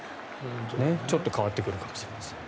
ちょっと変わってくるかもしれません。